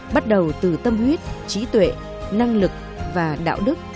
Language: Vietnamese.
bắt đầu từ tâm huyết trí tuệ năng lực và đạo đức